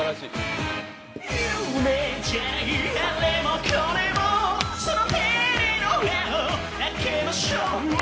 夢じゃないあれもこれもその手でドアを開けましょう